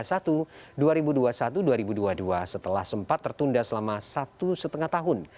setelah sempat tertunda selama satu lima tahun